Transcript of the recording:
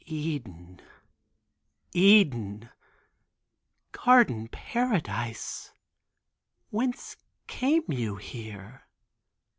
"Eden, Eden, garden paradise, whence came you here?"